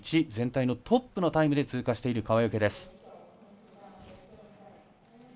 全体のトップのタイムで通過している川除です。